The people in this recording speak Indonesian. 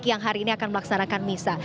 yang hari ini akan melaksanakan misa